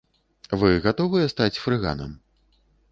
Вы гатовыя стаць фрыганам?